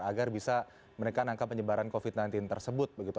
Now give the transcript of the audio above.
agar bisa menekan angka penyebaran covid sembilan belas tersebut begitu